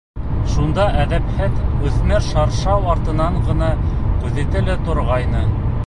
Шунда әҙәпһеҙ үҫмер шаршау артынан ғына күҙәтә лә торғайны.